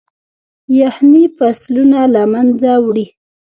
يخني فصلونه له منځه وړي.